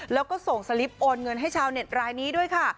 แล้วก็ส่งสลิปโอนเงินให้ชาวเน็ตรายนี้ด้วยค่ะ